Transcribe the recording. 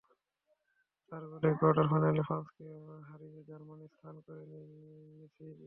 তাঁর গোলেই কোয়ার্টার ফাইনালে ফ্রান্সকে হারিয়ে জার্মানি স্থান করে নেয় সেমির লড়াইয়ে।